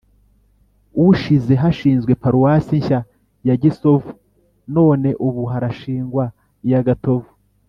ushize hashinzwe paruwasi nshya ya gisovu, none ubu harashingwa iya gatovu.